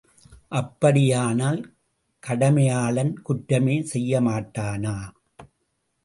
அப்படியானால் கடமையாளன் குற்றமே செய்யமாட்டானா?